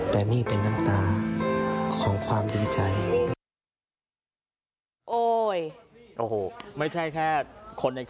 แต่นี่เป็นน้ำตาของความดีใจ